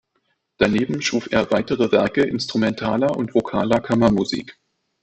Daneben schuf er weitere Werke instrumentaler und vokaler Kammermusik.